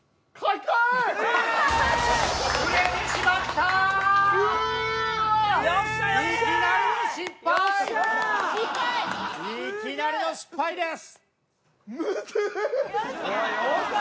いきなり失敗です。